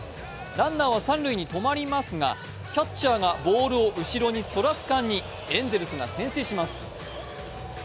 ランナーは三塁に止まりますが、キャッチャーがボールを後ろにそらす間にエンゼルスが先制します。